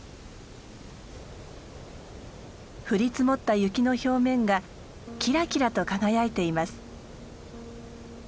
降り積もった雪の表面がキラキラと輝いています。